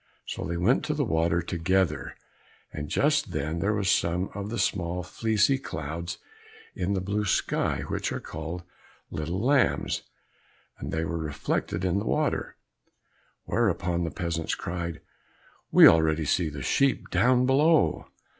So they went to the water together, and just then there were some of the small fleecy clouds in the blue sky, which are called little lambs, and they were reflected in the water, whereupon the peasants cried, "We already see the sheep down below!"